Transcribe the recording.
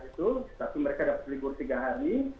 tapi mereka dapat berlibur tiga hari